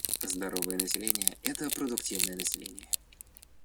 Здоровое население — это продуктивное население.